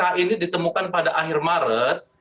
nah ini ditemukan pada akhir maret